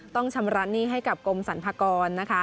ต้องชำระหนี้ให้กับกรมสรรพากรนะคะ